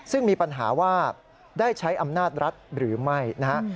ซึ่งมีปัญหาว่าได้ใช้อำนาจรัฐหรือไม่นะฮะ